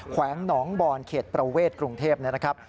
แวงหนองบอนเขตประเวทกรุงเทพนะครับ